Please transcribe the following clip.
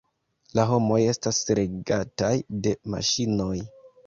La homoj estas regataj de maŝinoj.